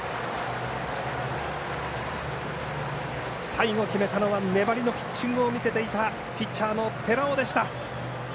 最後決めたのは粘りのピッチングを見せていたピッチャーの寺尾でした。